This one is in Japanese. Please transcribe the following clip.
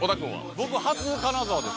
僕初金沢です